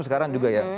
sekarang juga ya